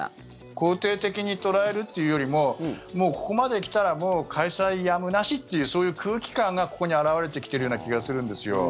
肯定的に捉えるというよりももうここまで来たらもう開催やむなしというそういう空気感がここに表れてきてるような気がするんですよ。